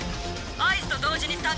合図と同時に散開。